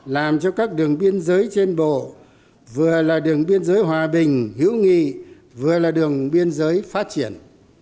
làm cho các đường biên giới trên bộ vừa là đường biên giới hòa bình hữu nghị vừa là đường biên giới phát triển